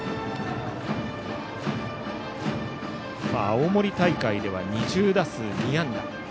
青森大会では２０打数２安打。